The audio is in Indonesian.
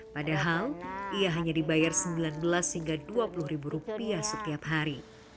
padahal ia hanya dibayar sembilan belas hingga dua puluh ribu rupiah setiap hari